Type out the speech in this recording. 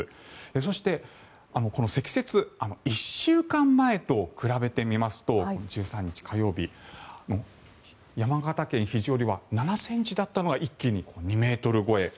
そしてこの積雪１週間前と比べてみますと１３日、火曜日山形県肘折は７ｃｍだったのが一気に２ｍ超え。